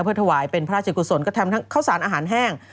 ถวายเป็นพระราชกุศลก็ทำทั้งข้าวสารอาหารแห้ง